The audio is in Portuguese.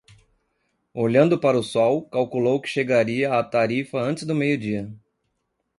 Olhando para o sol, calculou que chegaria a Tarifa antes do meio-dia.